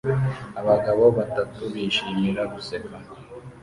Abagabo batatu bishimira guseka